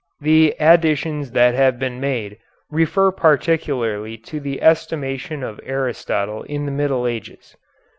The additions that have been made refer particularly to the estimation of Aristotle in the Middle Ages.